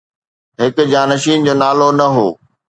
هڪ جانشين جو نالو نه هو